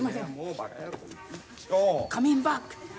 カミンバック。